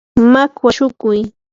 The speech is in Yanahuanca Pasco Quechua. makwa shukuy.